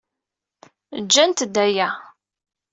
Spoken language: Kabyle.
Jjant-d aya.